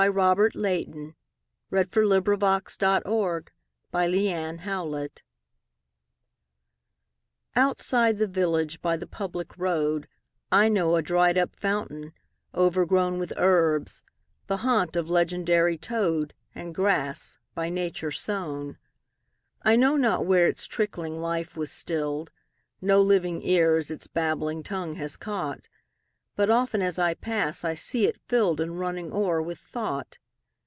Robert Leighton 1822–69 The Dried up Fountain OUTSIDE the village, by the public road,I know a dried up fountain, overgrownWith herbs, the haunt of legendary toad, And grass, by Nature sown.I know not where its trickling life was still'd; No living ears its babbling tongue has caught; But often, as I pass, I see it fill'dAnd running o'er with thought.